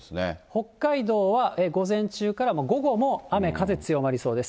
北海道は、午前中からもう午後も、雨、風強まりそうです。